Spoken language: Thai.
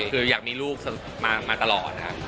คืออยากมีลูกมาตลอดนะครับ